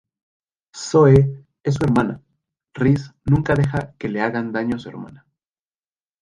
Zoe: es su hermana, Reese nunca deja que le hagan daño a su hermana.